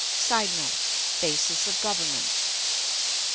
[Sidenote: Basis of government.